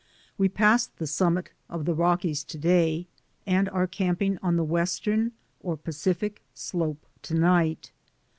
We passed the summit of the Rockies to day, and are camping on the western or Pa cific slope to night.